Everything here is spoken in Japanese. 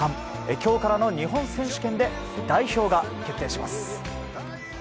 今日からの日本選手権で代表が決定します。